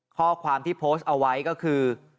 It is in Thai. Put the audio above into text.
ข้อความที่โพสต์เอาไว้ก็คือ